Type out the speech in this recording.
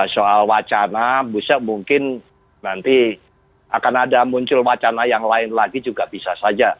soal wacana bisa mungkin nanti akan ada muncul wacana yang lain lagi juga bisa saja